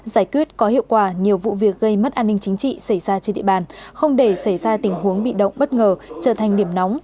giải quyết có hiệu quả nhiều vụ việc gây mất an ninh chính trị xảy ra trên địa bàn không để xảy ra tình huống bị động bất ngờ trở thành điểm nóng